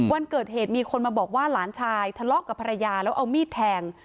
วันเกิดเหตุมีคนมาบอกว่าหลานชายทะเลาะกับภรรยาแล้วเอามีดแทง